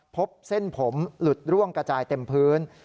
พบเส้นผมหลุดร่วงกระจายเต็มพื้น